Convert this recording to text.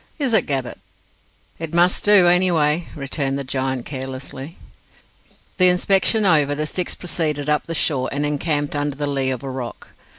"Is it, Gabbett?" "It must do, any way," returned the giant carelessly. The inspection over, the six proceeded up the shore, and encamped under the lee of a rock.